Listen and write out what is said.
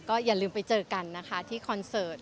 อย่าลืมไปเจอกันนะคะที่คอนเสิร์ต